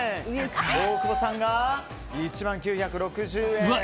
大久保さんが１万９６０円。